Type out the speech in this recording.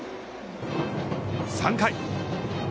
３回。